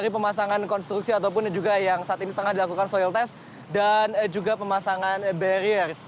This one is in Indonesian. pemasangan konstruksi ataupun juga yang saat ini tengah dilakukan soil test dan juga pemasangan barrier